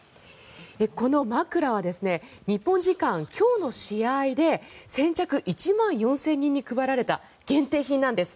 この枕は日本時間今日の試合で先着１万４０００人に配られた限定品なんです。